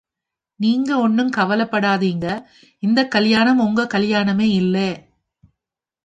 நீங்க ஒண்னுங் கவலெப்படாதிங்க, இந்தக் கலியாணம் ஒங்க கலியாணமே இல்லே.